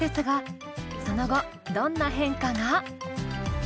その後どんな変化が？